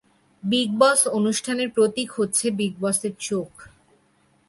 Big Boss অনুষ্ঠানের প্রতীক হচ্ছে বিগ বসের চোখ।